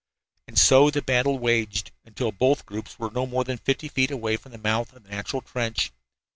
And so the battle waged, until both groups were no more than fifty feet away from the mouth of the natural trench.